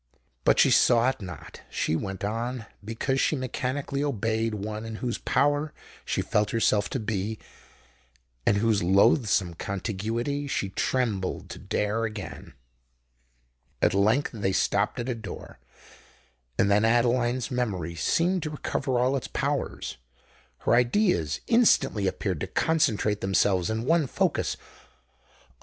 But she saw it not: she went on, because she mechanically obeyed one in whose power she felt herself to be, and whose loathsome contiguity she trembled to dare again. At length they stopped at a door: and then Adeline's memory seemed to recover all its powers—her ideas instantly appeared to concentrate themselves in one focus. "Oh!